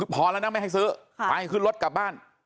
พอแล้วนะไม่ให้ซื้อไปขึ้นรถกลับบ้าน